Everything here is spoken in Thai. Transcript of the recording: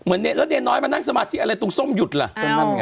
เหมือนแนน้อยมานั่งสมาธิอะไรตรงส้มหยุดเหรอ